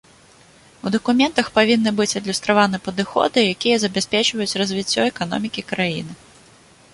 У дакументах павінны быць адлюстраваны падыходы, якія забяспечваюць развіццё эканомікі краіны.